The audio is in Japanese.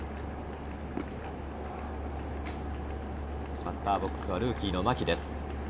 バッターボックスはルーキーの牧です。